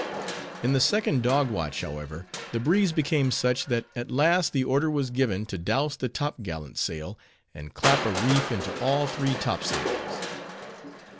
In the second dog watch, however, the breeze became such, that at last the order was given to douse the top gallant sail, and clap a reef into all three top sails.